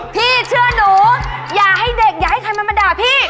พี่เชื่อหนูอย่าให้เด็กอย่าให้ใครมันมาด่าพี่